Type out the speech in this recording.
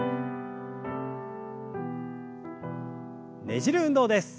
ねじる運動です。